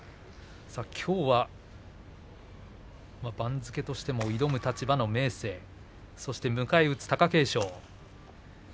きょうは番付としても挑む立場の明生そして、迎え撃つ貴景勝。